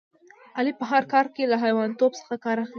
علي په هر کار کې له حیوانتوب څخه کار اخلي.